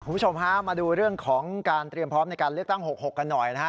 คุณผู้ชมฮะมาดูเรื่องของการเตรียมพร้อมในการเลือกตั้ง๖๖กันหน่อยนะฮะ